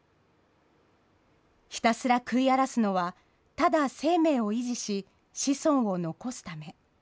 ひたすら食い荒らすのは、ただ生命を維持し、子孫を残すため。